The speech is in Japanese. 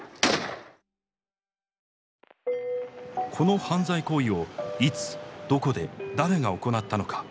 この犯罪行為をいつどこで誰が行ったのか。